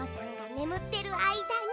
ねむってるあいだに？